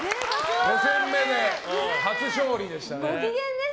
５戦目で初勝利でしたね。